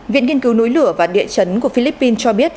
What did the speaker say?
viện nghiên cứu núi lửa và địa chấn của philippines cho biết